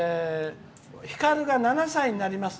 「ひかるが７歳になります。